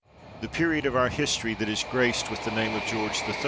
The period of our history that is graced with the name of George III.